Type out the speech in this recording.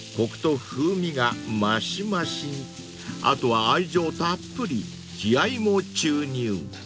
［あとは愛情たっぷり気合も注入］